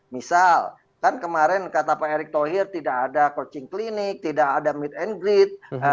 misal kan kemarin kata pak erick thohir tidak ada coaching clinic tidak ada meet and greet